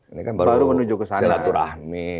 ini kan baru selaturahmi